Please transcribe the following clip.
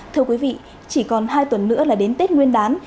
thưa quý vị chỉ còn hai tuần nữa là đến tết nguyên đán